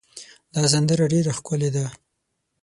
دا سندره ډېره ښکلې ده.